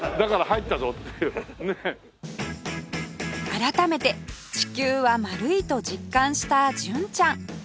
改めて地球は丸いと実感した純ちゃん